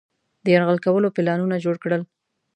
د یرغل کولو پلانونه جوړ کړل.